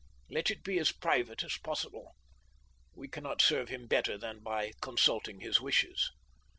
Let it be as private as possible. We cannot serve him better than by consulting his wishes.'